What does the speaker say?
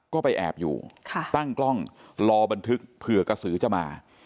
ก็ไปแอบอยู่ตั้งกล้องรอบันทึกเผื่อกระสือจะมา